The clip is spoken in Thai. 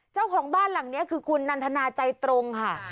เจ้าของบ้านหลังนี้คือคุณนันทนาใจตรงค่ะ